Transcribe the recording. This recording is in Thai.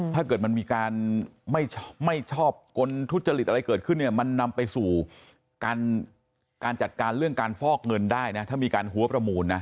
ถ้าเกิดมันมีการไม่ชอบกลทุจริตอะไรเกิดขึ้นเนี่ยมันนำไปสู่การจัดการเรื่องการฟอกเงินได้นะถ้ามีการหัวประมูลนะ